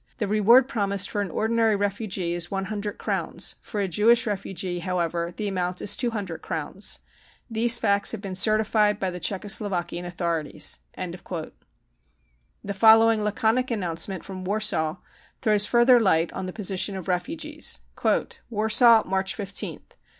The reward promised for an ordinary refugee is one hundred crowns, for a Jewish refugee, however, the amount is two hundred crowns. These facts have been certified by the Czechoslovakian authorities. 55 The following laconic, announcement from Warsaw throws further light on the position of refugees :" Warsaw, March 15th.